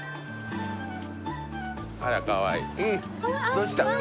どうした？